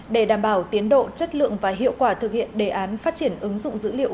để đảm bảo tiến độ chất lượng và hiệu quả thực hiện đề án phát triển ứng dụng dữ liệu